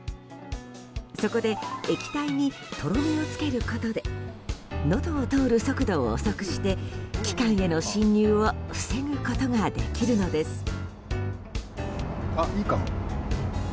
そこで液体にとろみを付けることでのどを通る速度を遅くして気管への侵入を防ぐことができるのです。